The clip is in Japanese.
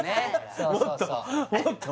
もっと？